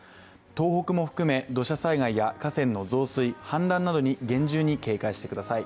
東北も含め土砂災害や河川の増水、氾濫などに厳重に警戒してください。